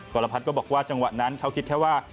กรพัฒน์ก็บอกว่าจังหวะนั้นเขาคิดแค่ว่า